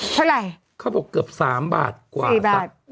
เท่าไหร่เขาบอกเกือบสามบาทกว่าสักสี่บาท